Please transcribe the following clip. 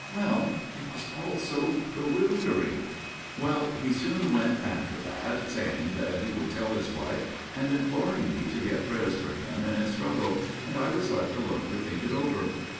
" Well, it was all so bewildering. 20 A MIRROR OF SHALOTT " Well, he soon went after that, saying that he would tell his wife, and imploring me to get prayers for him in his struggle, and I was left alone to think it over.